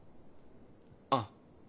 ああ。